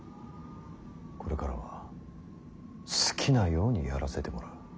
これからは好きなようにやらせてもらう。